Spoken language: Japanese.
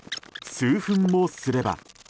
数分もすれば。